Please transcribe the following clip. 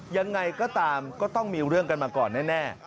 ยังไงก็ตามก็ต้องมีเรื่องกันมาก่อนแน่